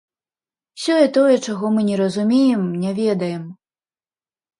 Сёе-тое, чаго мы не разумеем, не ведаем.